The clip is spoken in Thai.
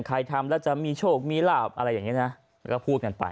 ทำแล้วจะมีโชคมีลาบอะไรอย่างนี้นะก็พูดกันไป